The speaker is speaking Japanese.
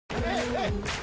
はい！